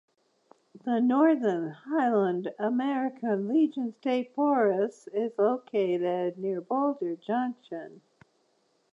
The Northern Highland-American Legion State Forest is located near Boulder Junction.